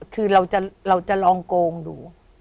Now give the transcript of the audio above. คือเราจะลองโกงดู